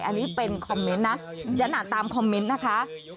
อันนี้เป็นคอมเมนต์นะฉันอ่านตามคอมเมนต์นะคะ